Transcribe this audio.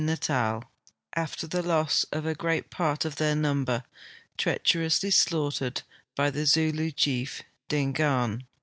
liVZ)^;it',S' 357 Natal, after the loss of a great part of their number, treacherousl.y slaughtered by the Zulu chief, Dingaan.